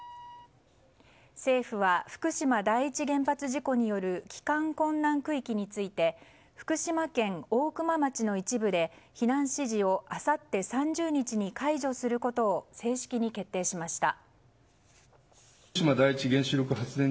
政府は福島第一原発事故による帰還困難区域について福島県大熊町の一部で避難指示をあさって３０日に解除することを正式に決定しました。